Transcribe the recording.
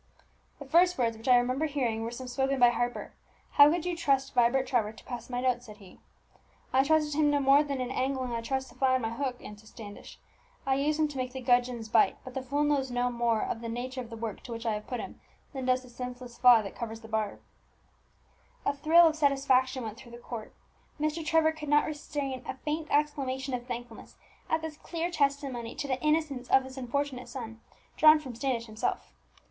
"The first words which I remember hearing were some spoken by Harper 'How could you trust Vibert Trevor to pass my notes?' said he. "'I trusted him no more than in angling I trust the fly on my hook,' answered Standish. 'I use him to make the gudgeons bite; but the fool knows no more of the nature of the work to which I have put him than does the senseless fly that covers the barb.'" A thrill of satisfaction went through the court. Mr. Trevor could not restrain a faint exclamation of thankfulness at this clear testimony to the innocence of his unfortunate son drawn from Standish himself.